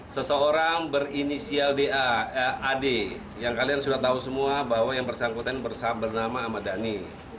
seseorang berinisial ad yang kalian sudah tahu semua bahwa yang bersangkutan bernama ahmad dhani